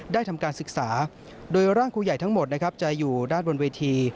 ทำการศึกษาโดยร่างครูใหญ่ทั้งหมดนะครับจะอยู่ด้านบนเวที